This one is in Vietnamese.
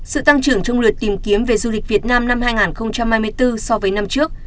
sự tăng trưởng trong lượt tìm kiếm về du lịch việt nam năm hai nghìn hai mươi bốn so với năm trước